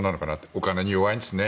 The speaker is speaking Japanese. お金に弱いんですね